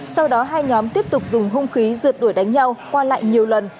sau đó hai nhóm tiếp tục dùng hung khí rượt đuổi đánh nhau qua lại nhiều lần